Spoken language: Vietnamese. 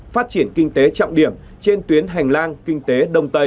phát triển kinh tế trọng điểm trên tuyến hành lang kinh tế đông tây